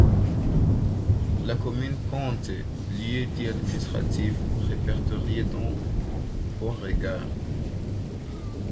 La commune compte lieux-dits administratifs répertoriés dont Beauregard.